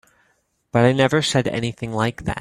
But I never said anything like that.